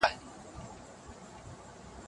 عقلي خميره بايد د خلګو د ذهن لپاره پخه سي.